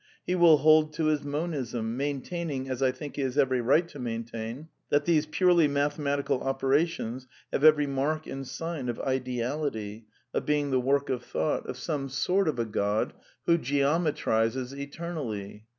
He will hold to his Monism, maintaining, as I think he has every right to maintain, that these purely mathematical operations have every mark and sign of eality, of being "the work of Thought," of some sort I THE NEW KEALISM 231 of a God who " geometrizes eternally.'